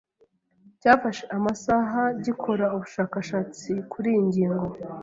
cyafashe amasaha gikora ubushakashatsi kuri iyi ngingo